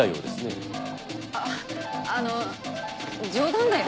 あっあのう冗談だよ